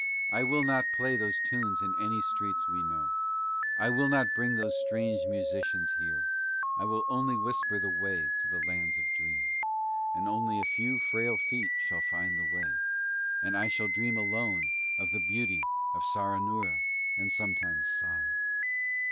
I will not play those tunes in any streets we know. I will not bring those strange musicians here, I will only whisper the way to the Lands of Dream, and only a few frail feet shall find the way, and I shall dream alone of the beauty of Saranoora and sometimes sigh.